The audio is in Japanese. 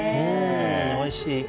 おいしい。